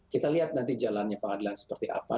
kita lihat nanti jalannya pengadilan seperti apa